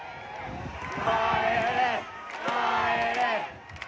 帰れ、帰れ！